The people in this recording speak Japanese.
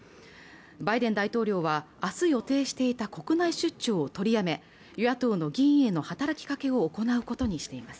バイデン大統領はあす予定していた国内出張を取りやめ与野党の議員への働きかけを行うことにしています